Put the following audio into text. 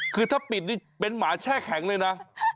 คือถ้าปิดนี่เป็นหมาแช่แข็งเลยนะ